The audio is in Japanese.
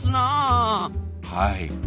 はい。